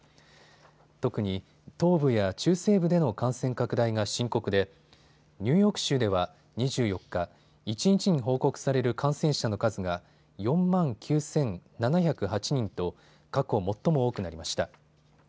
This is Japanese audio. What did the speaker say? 特に東部や中西部での感染拡大が深刻でニューヨーク州では２４日、一日に報告される感染者の数が４万９７０８人と過去最も多くなりました。